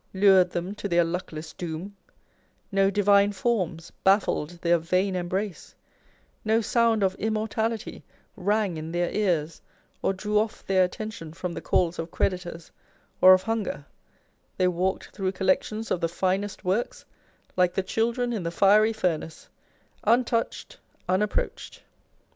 lured them to their luckless doom, no divine forms baffled their vain embrace ; no sound of immortality rang in their ears, or drew oif their attention from the calls of creditors or of hunger : they walked through collections of the finest works, like the " Children in the Fiery Furnace, untouched, unapproached.